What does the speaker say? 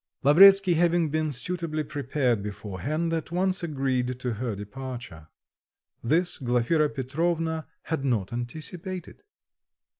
Lavretsky, having been suitably prepared beforehand, at once agreed to her departure. This Glafira Petrovna had not anticipated.